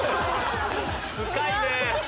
深いね。